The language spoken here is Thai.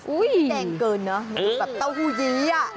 อุ๊ยแดงเกินนะแบบเต้าหูยี